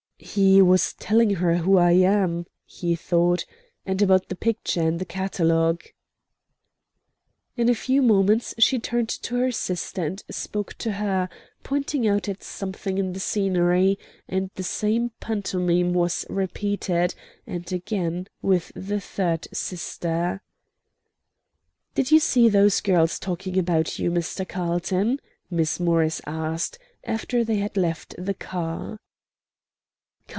"He was telling her who I am," he thought, "and about the picture in the catalogue." In a few moments she turned to her sister and spoke to her, pointing out at something in the scenery, and the same pantomime was repeated, and again with the third sister. "Did you see those girls talking about you, Mr. Carlton?" Miss Morris asked, after they had left the car.